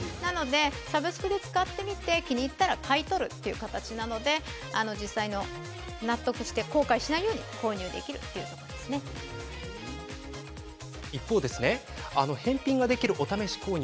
サブスクで使ってみて気に入ったら買い取るという形なので実際に納得して後悔しないで購入できる一方で返品ができるお試し購入